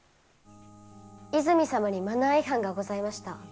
泉様にマナー違反がございました。